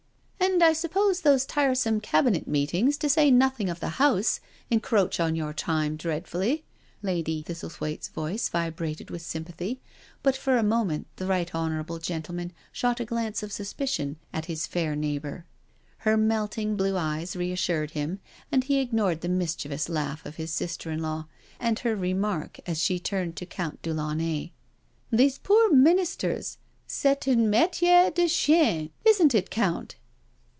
" And I suppose those tiresome Cabinet meetings^ to say nothing of the House, encroach on your time dreadfully." Lady Thistlethwaite's voice vibrated with sympathy, but for a moment the Right Honourable gentleman shot a glance of suspicion at his fair neigh bour. Her melting, blue eyes reassured him, and he ignored the mischievous laugh of his sister in law and her remark as she turned to Count de Launay : "These poor Ministers I ^esi un miiler de chien, isn't it. Count?"